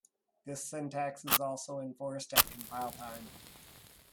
This syntax is also enforced at compile time.